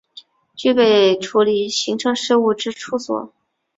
具备处理行政事务之处所